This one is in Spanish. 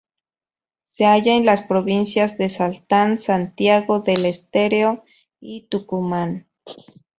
Se halla en las provincias de Salta, Santiago del Estero y Tucumán.